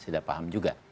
nanti saya tidak paham juga